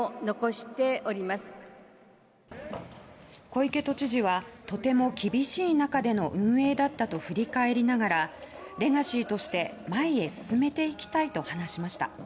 小池都知事はとても厳しい中での運営だったと振り返りながらレガシーとして前へ進めていきたいと話しました。